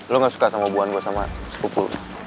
lo gak suka sama hubungan gue sama sepupu lo